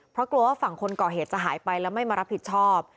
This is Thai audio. เพราะกลัวว่าฝั่งคนก่อเหตุจะหายไปแล้วไม่มารับผิดชอบ